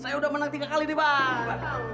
saya udah menang tiga kali nih bang